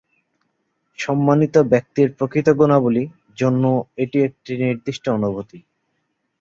সম্মানিত ব্যক্তির প্রকৃত গুণাবলী জন্য এটি একটি নির্দিষ্ট অনুভূতি।